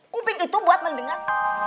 kuping itu buat mendengar